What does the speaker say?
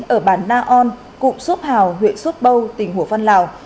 ở bản na on cụm sốt hào huyện sốt bâu tỉnh hồ văn lào